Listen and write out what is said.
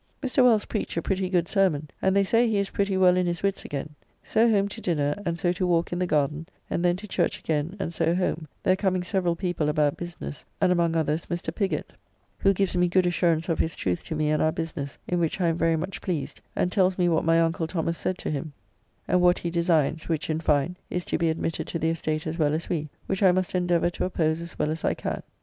Mr. Wells preached a pretty good sermon, and they say he is pretty well in his witts again. So home to dinner, and so to walk in the garden, and then to Church again, and so home, there coming several people about business, and among others Mr. Piggott, who gives me good assurance of his truth to me and our business, in which I am very much pleased, and tells me what my uncle Thomas said to him and what he designs, which (in fine) is to be admitted to the estate as well as we, which I must endeavour to oppose as well as I can.